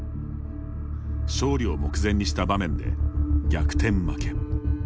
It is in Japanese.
勝利を目前にした場面で逆転負け。